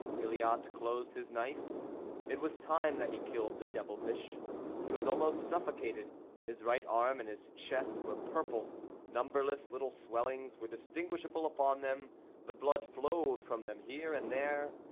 Gilliatt closed his knife. It was time that he killed the devil fish. He was almost suffocated. His right arm and his chest were purple. Numberless little swellings were distinguishable upon them; the blood flowed from them here and there.